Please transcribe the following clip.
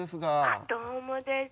☎あっどうもです。